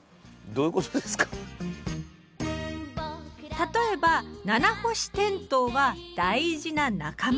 例えばナナホシテントウは大事な仲間。